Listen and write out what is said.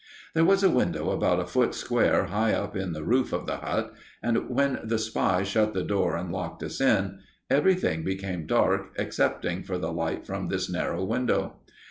There was a window about a foot square high up in the roof of the hut, and when the spy shut the door and locked us in, everything became dark excepting for the light from this narrow window.